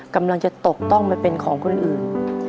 กำลังจะตกต้องมาเป็นของคนอื่น